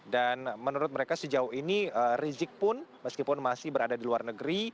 dan menurut mereka sejauh ini rizik pun meskipun masih berada di luar negeri